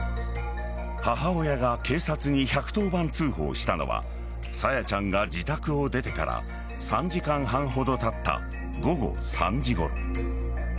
母親が警察に１１０番通報したのは朝芽ちゃんが自宅を出てから３時間半ほどたった午後３時ごろ。